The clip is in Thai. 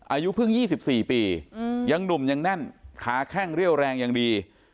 อายุเพิ่งยี่สิบสี่ปีอืมยังหนุ่มยังแน่นขาแข้งเรี่ยวแรงยังดี